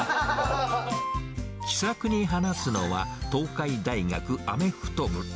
気さくに話すのは、東海大学アメフト部。